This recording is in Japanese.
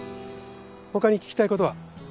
他に聞きたいことは？